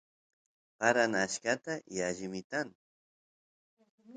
paran achkata y allimitan